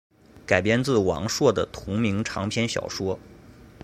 改编自王朔的同名长篇小说。